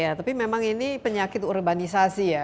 ya tapi memang ini penyakit urbanisasi ya